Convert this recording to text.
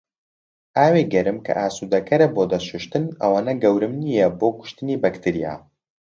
ئاوی گەرم کە ئاسودەکەرە بۆ دەست شوشتن ئەوەنە گەورم نیە بۆ کوشتنی بەکتریا.